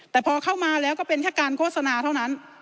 แต่พอเข้ามาแล้วก็เป็นแค่การโฆษณาเท่านั้น